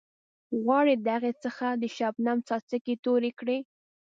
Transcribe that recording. غواړئ د هغې څخه د شبنم څاڅکي توئ کړئ.